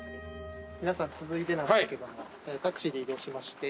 皆さん続いてなんですけどもタクシーで移動しまして。